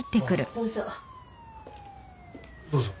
どうぞ。